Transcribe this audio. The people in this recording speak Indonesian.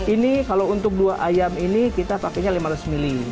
ini kalau untuk dua ayam ini kita pakainya lima ratus ml